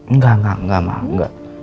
enggak enggak enggak ma enggak